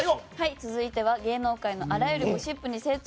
続いては、芸能界のあらゆるゴシップに精通。